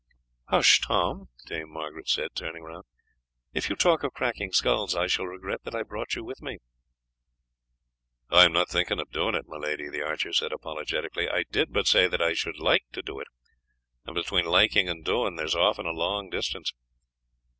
"Hush, Tom!" Dame Margaret said, turning round, "if you talk of cracking skulls I shall regret that I brought you with me." "I am not thinking of doing it, my lady," the archer said apologetically. "I did but say that I should like to do it, and between liking and doing there is often a long distance."